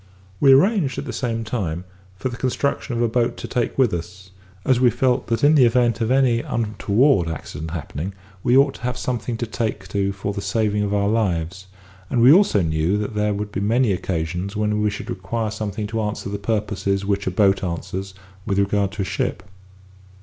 We arranged, at the same time, for the construction of a boat to take with us, as we felt that in the event of any untoward accident happening, we ought to have something to take to for the saving of our lives, and we knew also that there would be many occasions when we should require something to answer the purposes which a boat answers with regard to a ship.